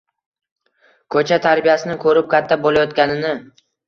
ko‘cha tarbiyasini ko‘rib katta bo‘layotganini